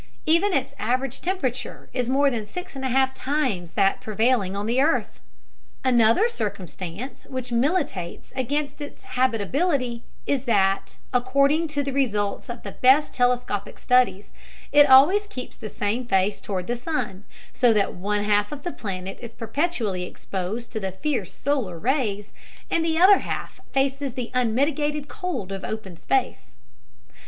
Even its average temperature is more than six and a half times that prevailing on the earth! Another circumstance which militates against its habitability is that, according to the results of the best telescopic studies, it always keeps the same face toward the sun, so that one half of the planet is perpetually exposed to the fierce solar rays, and the other half faces the unmitigated cold of open space.